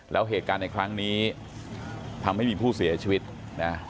แล้วเหตุการณ์ในครั้งนี้ทำให้มีผู้เสียชีวิตนะ